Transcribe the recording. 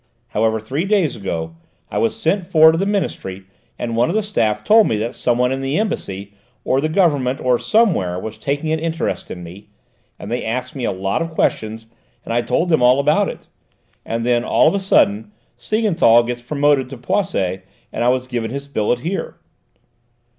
However, three days ago, I was sent for to the Ministry, and one of the staff told me that some one in the Embassy, or the Government, or somewhere, was taking an interest in me, and they asked me a lot of questions and I told them all about it. And then, all of a sudden, Siegenthal was promoted to Poissy and I was given his billet here."